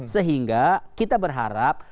sehingga kita berharap